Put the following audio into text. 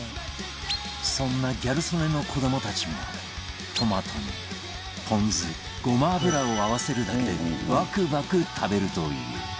そんなギャル曽根の子どもたちもトマトにポン酢ごま油を合わせるだけでバクバク食べるという